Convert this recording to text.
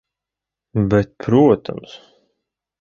Bet protams.